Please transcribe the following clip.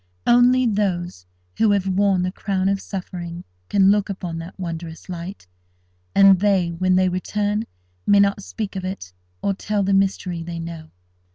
Only those who have worn the crown of suffering can look upon that wondrous light; and they, when they return, may not speak of it, or tell the mystery they know.